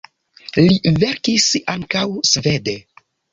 Li verkis ankaŭ svede.